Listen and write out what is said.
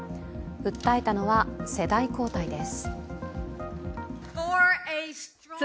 訴えたのは世代交代です。